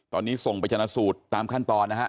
ตอนนี้ส่งไปชนะสูตรตามขั้นตอนนะฮะ